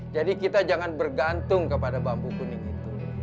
jadi kita jangan bergantung kepada bambu kuning itu